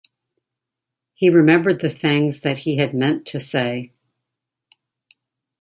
He remembered the things that he had meant to say.